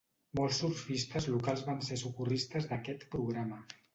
Molts surfistes locals van ser socorristes d'aquest programa.